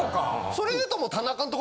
それで言うと。